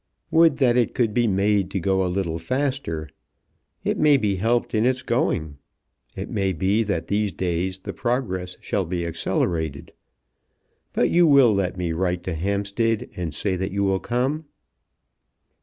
"Would that it could be made to go a little faster. It may be helped in its going. It may be that in these days the progress shall be accelerated. But you will let me write to Hampstead and say that you will come."